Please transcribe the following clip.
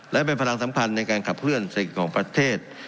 และเป็นพลังสำคัญในการขับเคลื่อนเศรษฐกิจของประเทศ